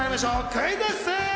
クイズッス。